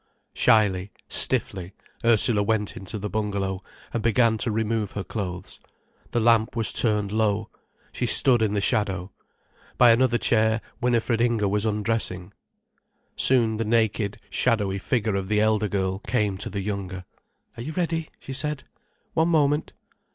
Shyly, stiffly, Ursula went into the bungalow, and began to remove her clothes. The lamp was turned low, she stood in the shadow. By another chair Winifred Inger was undressing. Soon the naked, shadowy figure of the elder girl came to the younger. "Are you ready?" she said. "One moment."